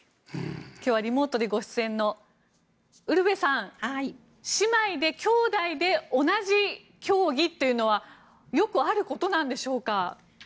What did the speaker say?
今日はリモートで出演のウルヴェさん姉妹で兄弟で同じ競技というのはよくあることなんでしょうか。